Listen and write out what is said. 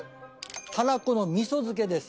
はらこの味噌漬です。